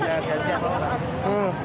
bisa aja pak